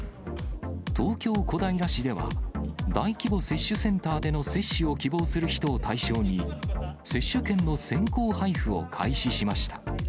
東京・小平市では、大規模接種センターでの接種を希望する人を対象に、接種券の先行配布を開始しました。